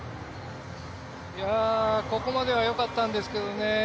ここまではよかったんですけどね。